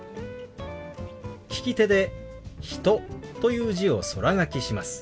利き手で「人」という字を空書きします。